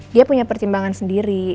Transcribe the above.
dia punya pertimbangan sendiri